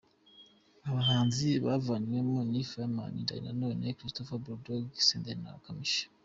Abahanzi bavanywemo ni Fireman, Danny Nanone, Christopher, Bull Dogg, Senderi na Kamichi.